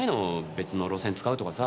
別の路線使うとかさ。